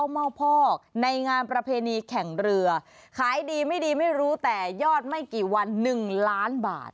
ไม่รู้แต่ยอดไม่กี่วัน๑ล้านบาท